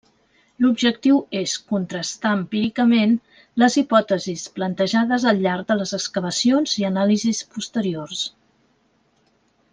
L'objectiu és contrastar empíricament les hipòtesis plantejades al llarg de les excavacions i anàlisis posteriors.